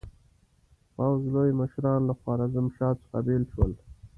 پوځ لوی مشران له خوارزمشاه څخه بېل شول.